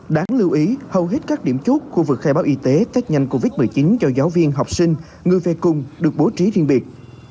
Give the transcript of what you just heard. đáng lưu ý hầu hết các điểm chốt khu vực khai báo y tế tết nhanh covid một mươi chín cho giáo viên học sinh người về cùng được bố trí riêng biệt